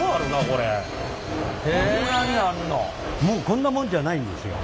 こんなもんじゃないんですよ。